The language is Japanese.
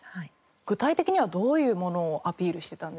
具体的にはどういうものをアピールしてたんですか？